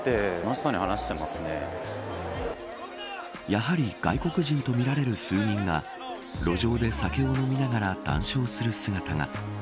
やはり外国人とみられる数人が路上で酒を飲みながら談笑する姿が。